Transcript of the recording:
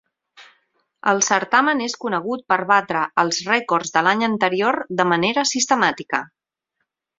El certamen és conegut per batre els rècords de l'any anterior de manera sistemàtica.